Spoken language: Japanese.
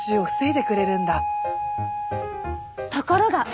ところが！